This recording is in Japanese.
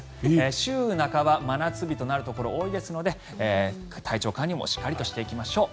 週半ば、真夏日となるところ多いですので体調管理もしっかりしていきましょう。